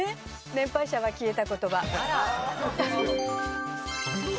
年配者は消えた言葉。